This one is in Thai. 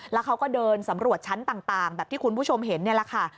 แล้วเขาก็เดินสำรวจชั้นต่างแบบที่คุณผู้ชมเห็นนี่แหละค่ะ